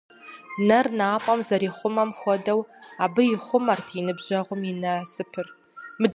Нэр напӏэм зэрихъумэм хуэдэу, абы ихъумэрт и ныбжьэгъум и насыпыр.